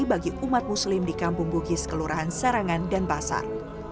bagi umat muslim di kampung bugis kelurahan sarangan dan pasar